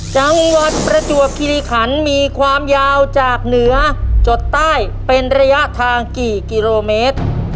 จังหวัดประจวบคิริขันมีความยาวจากเหนือจดใต้เป็นระยะทางกี่กิโลเมตร